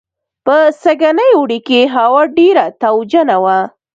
په سږني اوړي کې هوا ډېره تاوجنه وه